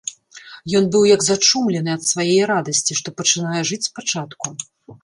Ён быў як зачумлены ад свае радасці, што пачынае жыць спачатку.